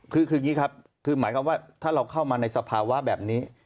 คืออย่างนี้ครับคือหมายความว่าถ้าเราเข้ามาในสภาวะแบบนี้